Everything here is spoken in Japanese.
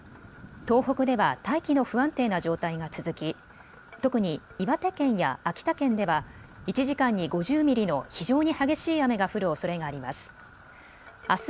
東北では大気の不安定な状態が続き、特に岩手県や秋田県では１時間に５０ミリの非常に激しい雨が降るおそれがあります。